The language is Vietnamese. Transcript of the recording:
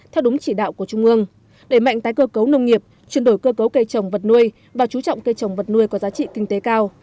theo đúng chỉ đạo của trung ương đẩy mạnh tái cơ cấu nông nghiệp chuyển đổi cơ cấu cây trồng vật nuôi và chú trọng cây trồng vật nuôi có giá trị kinh tế cao